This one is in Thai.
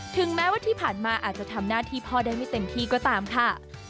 ถึงแม้ว่าที่ผ่านมาอาจจะทำหน้าที่พ่อได้ไม่เต็มที่ก็ตามค่ะ